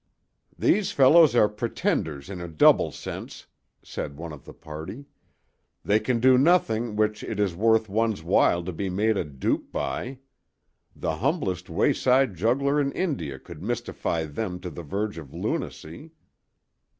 "These fellows are pretenders in a double sense," said one of the party; "they can do nothing which it is worth one's while to be made a dupe by. The humblest wayside juggler in India could mystify them to the verge of lunacy."